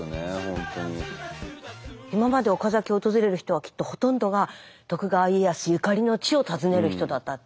今まで岡崎訪れる人はきっとほとんどが徳川家康ゆかりの地を訪ねる人だったって。